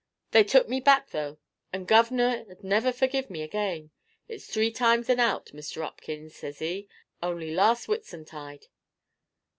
They took me back though. The Guv'ner 'ud never forgive me again. 'It's three times and out, Mister 'Opkins,' says 'ee, only last Whitsuntide."